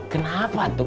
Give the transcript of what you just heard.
kenapa atu kum